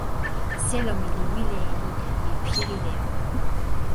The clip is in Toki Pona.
selo mi li wile e ni: mi pilin e ona.